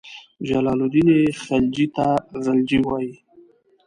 جلال الدین خلجي ته غلجي وایي.